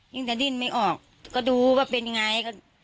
ยิ่งแต่ดินไม่ออกก็ดูว่าเป็นยังไง